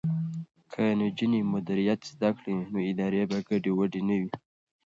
که نجونې مدیریت زده کړي نو ادارې به ګډې وډې نه وي.